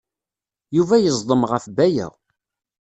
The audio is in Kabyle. Yuba yeẓdem ɣef Baya.